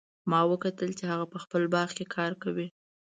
ما وکتل چې هغه په خپل باغ کې کار کوي